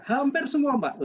hampir semua mbak